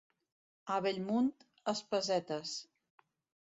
A Bellmunt, espasetes.